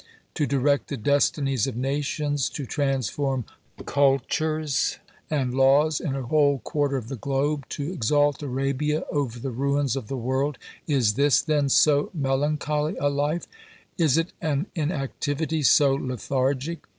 To direct the destinies of nations, to transform cultus and laws in a whole quarter of the globe, to exalt Arabia over the ruins of the world, is this then so melancholy a life, is it an inactivity so lethargic?